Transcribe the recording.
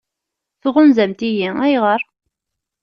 Tɣunzamt-iyi ayɣer?